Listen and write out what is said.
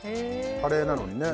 カレーなのにね。